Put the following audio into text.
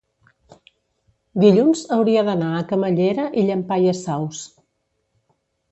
dilluns hauria d'anar a Camallera i Llampaies Saus.